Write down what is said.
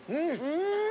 うん！